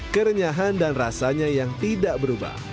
kerenyahan dan rasanya yang tidak berubah